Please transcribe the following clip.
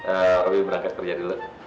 eee rupi berangkat kerja dulu